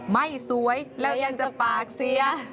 ไม่สวยแล้วยังจะปากเสีย